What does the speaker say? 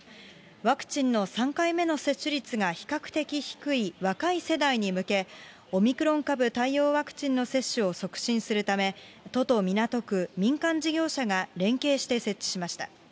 ワクチンの３回目の接種率が比較的低い若い世代に向け、オミクロン株対応ワクチンの接種を促進するため、都と港区、民間事業者が連携して設置しました。